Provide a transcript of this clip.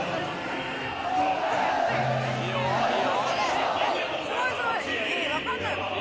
いいよ！